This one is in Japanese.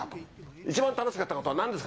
一番楽しかったことはなんですか？